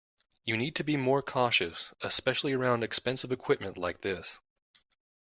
You need to be more cautious, especially around expensive equipment like this.